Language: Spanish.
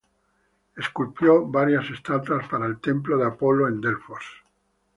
Esculpió varias estatuas para el templo de Apolo en Delfos.